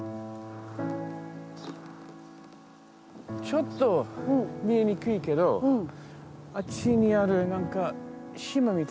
ちょっと見えにくいけどあっちにある何か島み